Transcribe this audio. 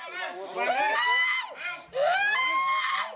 โดนไหว